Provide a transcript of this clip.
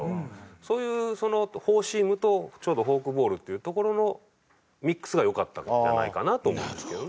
そういうそのフォーシームとちょうどフォークボールっていうところのミックスがよかったんじゃないかなと思うんですけどね。